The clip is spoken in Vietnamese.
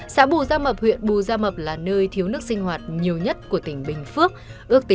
xã bù gia mập huyện bù gia mập là nơi thiếu nước sinh hoạt nhiều nhất của tỉnh bình phước